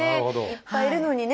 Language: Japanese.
いっぱいいるのにね